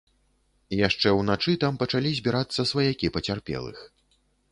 Яшчэ ўначы там пачалі збірацца сваякі пацярпелых.